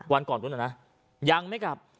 วันก่อนนู้นนะยังไม่กลับ